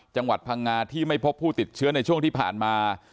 จังหวัดพังงาที่ไม่พบผู้ติดเชื้อในช่วงที่ผ่านมา